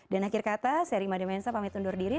dan akhir kata saya rimadha mensa pamit undur diri